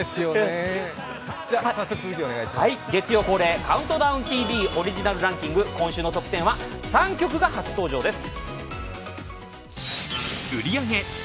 月曜恒例「ＣＤＴＶ」オリジナルランキング、今週のトップ１０は３曲が初登場です。